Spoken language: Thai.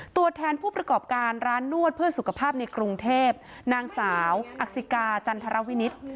ตัวแทนผู้ประกอบการร้านนวดเพื่อสุขภาพในกรุงเทพนางสาวอักษิกาจันทรวินิต